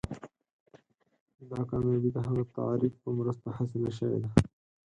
دا کامیابي د هغه تعریف په مرسته حاصله شوې ده.